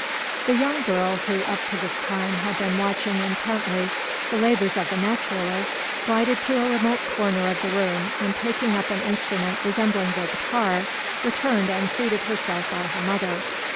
The young girl, who, up to this time, had been watching intently the labours of the naturalist, glided to a remote corner of the room, and taking up an instrument resembling the guitar, returned and seated herself by her mother.